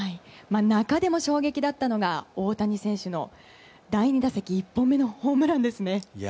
中でも衝撃だったのが大谷選手の第２打席、１本目のホームランですね。